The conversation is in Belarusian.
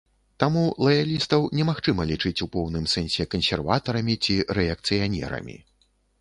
Таму лаялістаў не магчыма лічыць у поўным сэнсе кансерватарамі ці рэакцыянерамі.